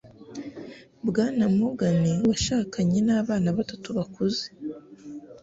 Bwana Morgan washakanye n'abana batatu bakuze,